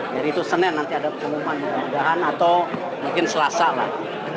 jadi itu senin nanti ada pengumuman mudah mudahan atau mungkin selasa lah